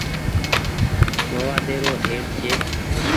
موآدي رو سيٽ ڇي۔